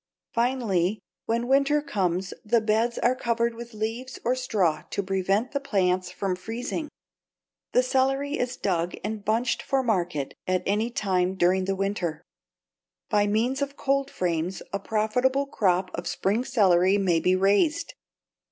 Finally, when winter comes the beds are covered with leaves or straw to prevent the plants from freezing. The celery is dug and bunched for market at any time during the winter. By means of cold frames a profitable crop of spring celery may be raised.